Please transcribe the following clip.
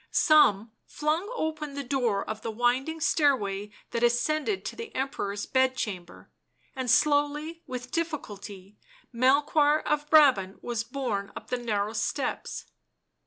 Some flung open the door of the winding stairway that ascended to the Emperor's bed chamber, and slowly, with difficulty, Melchoir of Brabant was borne up the narrow steps.